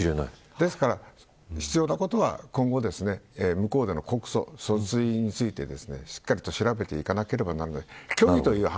ですから必要なことは、今後向こうでの告訴、訴追についてしっかりと調べていかなければならない。